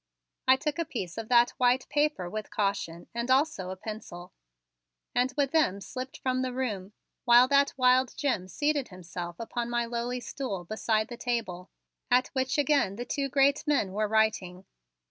I took a piece of that white paper with caution and also a pencil, and with them slipped from the room, while that wild Jim seated himself upon my lowly stool beside the table at which again the two great men were writing.